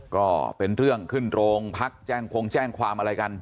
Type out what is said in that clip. ก็เป็นเรื่องขึ้นโรงพักแจ้งพงแจ้งความอะไรกัน